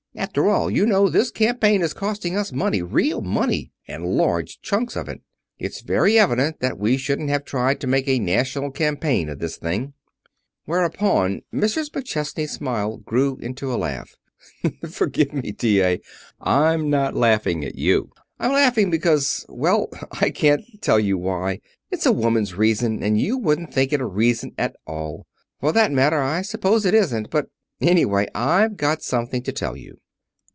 After all, you know, this campaign is costing us money real money, and large chunks of it. It's very evident that we shouldn't have tried to make a national campaign of this thing." Whereupon Mrs. McChesney's smile grew into a laugh. "Forgive me, T.A. I'm not laughing at you. I'm laughing because well, I can't tell you why. It's a woman's reason, and you wouldn't think it a reason at all. For that matter, I suppose it isn't, but Anyway, I've got something to tell you.